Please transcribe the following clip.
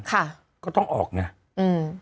ค่ะก็ต้องออกเนี่ย